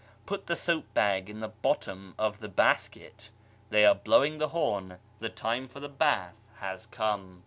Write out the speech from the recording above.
Put the soap bag in the bottom of the basket {1) ; They are blowing the horn ; the time for the bath has come."